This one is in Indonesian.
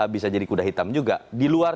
bisa jadi kuda hitam juga diluar